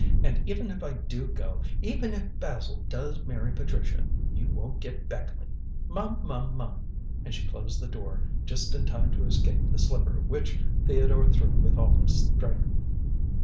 And even if I do go, even if Basil does marry Patricia, you won't get Beckleigh. Mum! Mum! Mum!" And she closed the door just in time to escape the slipper which Theodore threw with all his strength.